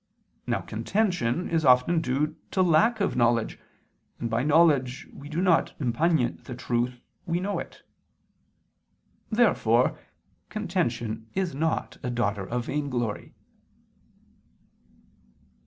Now contention is often due to lack of knowledge, and by knowledge we do not impugn the truth, we know it. Therefore contention is not a daughter of vainglory.